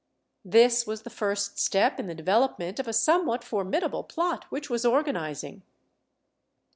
^ This was the first step in the development of a somewhat formid able plot which was organizing.